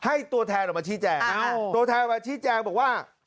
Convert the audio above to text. ตัวแทนออกมาชี้แจงตัวแทนมาชี้แจงบอกว่า